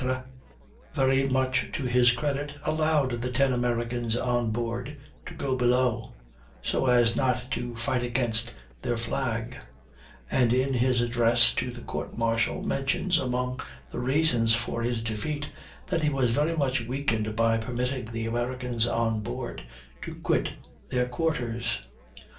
] Captain Dacres, very much to his credit, allowed the ten Americans on board to go below, so as not to fight against their flag; and in his address to the court martial mentions, among the reasons for his defeat, "that he was very much weakened by permitting the Americans on board to quit their quarters."